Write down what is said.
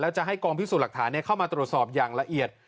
จะให้กองพิสูจน์หลักฐานเข้ามาตรวจสอบอย่างละเอียด